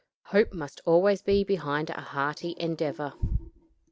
Hope must always be behind a hearty endeavor.